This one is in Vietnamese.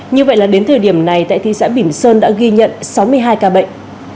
như vậy là đến thời điểm này tại thị xã bỉm sơn đã ghi nhận sáu mươi hai ca bệnh